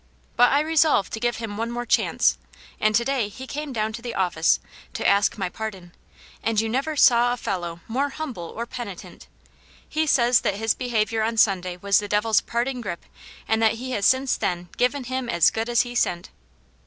But I resolved to give him one more chance, and to day he came down to the office, to ask my pardon, and you never saw a fellow more humble or penitent. He says that his behaviour on Sunday was the devil's parting grip, and that he has since then * given him as good as he sent.'"